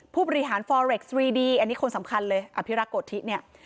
ผู้บริหารฟอเร็กซรีดีอันนี้คนสำคัญเลยอภิรักษ์โกธิเนี่ย